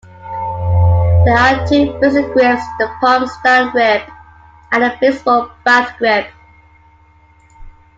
There are two basic grips - the palms-down grip and the baseball bat grip.